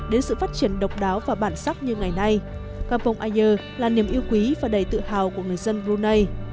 đến sự phát triển độc đáo và bản sắc như ngày nay capong aier là niềm yêu quý và đầy tự hào của người dân brunei